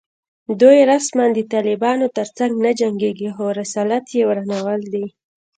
دوی رسماً د طالبانو تر څنګ نه جنګېږي خو رسالت یې ورانول دي